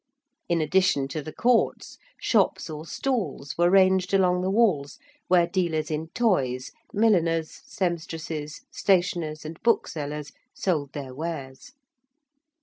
In addition to the Courts, shops or stalls were ranged along the walls where dealers in toys, milliners, sempstresses, stationers and booksellers sold their wares.